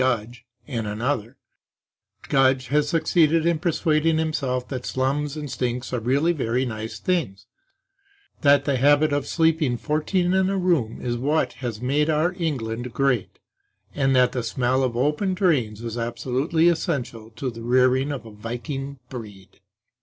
Gudge and Another), Gudge has succeeded in persuading himself that slums and stinks are really very nice things; that the habit of sleeping fourteen in a room is what has made our England great; and that the smell of open drains is absolutely essential to the rearing of a viking breed.